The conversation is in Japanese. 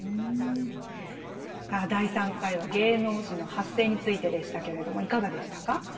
さあ第３回は芸能史の発生についてでしたけれどもいかがでしたか？